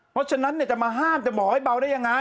เพราะฉะนั้นจะมาห้ามจะบอกให้เบาได้ยังไง